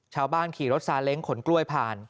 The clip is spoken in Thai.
ชาวบ้านขี่รถซาเล้งขนกล้วยผ่าน